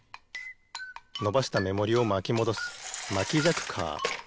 のばしためもりをまきもどすまきじゃくカー。